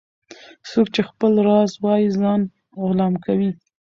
- څوک چي خپل راز وایې ځان غلام کوي.